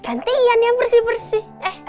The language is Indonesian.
gantinya bersih bersih